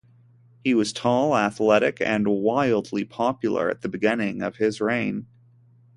He was tall, athletic, and wildly popular at the beginning of his reign.